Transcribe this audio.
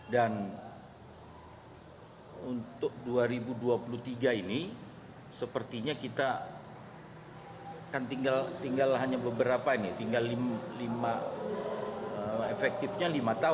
dan untuk dua ribu dua puluh tiga ini sepertinya kita tinggal hanya beberapa ini tinggal lima efektifnya